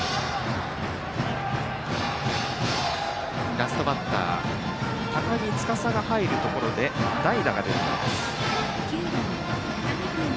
ラストバッターの高木司が入るところで代打が出るようです。